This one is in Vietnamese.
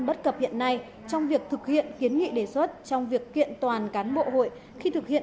bất cập hiện nay trong việc thực hiện kiến nghị đề xuất trong việc kiện toàn cán bộ hội khi thực hiện